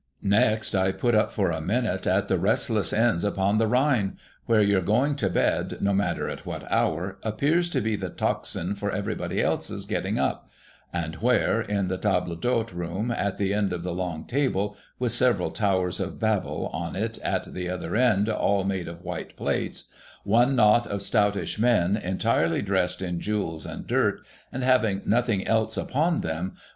Next I put up for a minute at the restless Lins upon the Rhine, where your going to bed, no matter at what hour, appears to be the tocsin for everybody else's getting up; and where, in the table d'hote room at the end of the long table (with several Towers of Babel on it at the other end, all made of white plates), one knot of stoutish men, entirely dressed in jewels and dirt, and having nothing else upon them, 7i.'